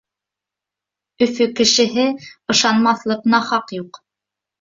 Өфө кешеһе ышанмаҫлыҡ нахаҡ юҡ.